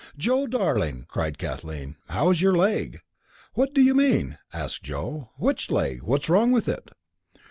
"Joe, you darling!" cried Kathleen. "How's your leg?" "What do you mean?" asked Joe. "Which leg? What's wrong with it?"